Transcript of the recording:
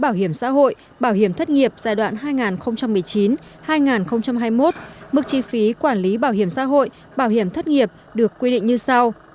bảo hiểm xã hội bảo hiểm thất nghiệp giai đoạn hai nghìn một mươi chín hai nghìn hai mươi một mức chi phí quản lý bảo hiểm xã hội bảo hiểm thất nghiệp được quy định như sau